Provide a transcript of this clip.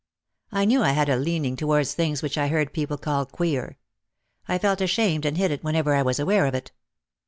I knew I had a leaning toward things which I heard people call "queer." I felt ashamed and hid it whenever I was aware of it.